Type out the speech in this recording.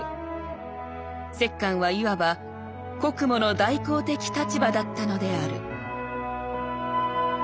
摂関はいわば『国母の代行』的立場だったのである」。